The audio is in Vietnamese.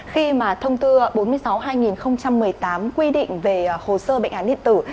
khi mà thông tư bốn mươi sáu hai nghìn một mươi tám quy định về hồ sơ bệnh án điện tử